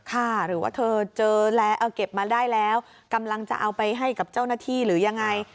หรือว่าเธอเจอแล้วเอาเก็บมาได้แล้วกำลังจะเอาไปให้กับเจ้าหน้าที่หรือยังไง